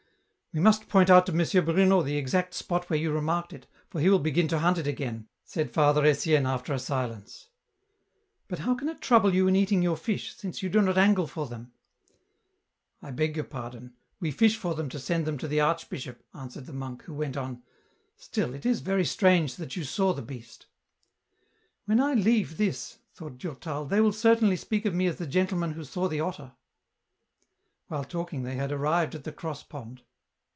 *' We must point out to M. Bruno the exact spot where you remarked it, for he will begin to hunt it again," said Father Etienne after a silence. " But how can it trouble you in eating your fish, since you do not angle for them ?"" I beg your pardon ; we fish for them to send them to the Archbishop," answered the monk, who went on :" Still, it is very strange that you saw the beast !"" When I leave this," thought Durtal, " they will certainly speak of me as the gentleman who saw the otter." While talking, they had arrived at the cross pond.